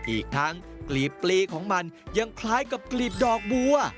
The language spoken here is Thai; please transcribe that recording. อีกทั้งกลีบปลีของมันยังคล้ายกับกลีบดอกบัว